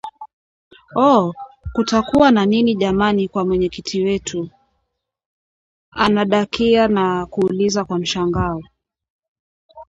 oooh kutakuwa na nini jamani kwa Mwenyekiti wetu!!! Anadakia na kuuliza kwa mshangao